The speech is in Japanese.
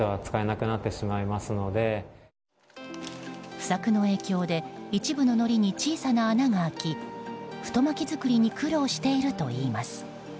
不作の影響で一部ののりに小さな穴が開き太巻き作りに苦労しているといいます。